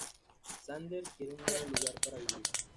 Xander quiere un nuevo lugar para vivir.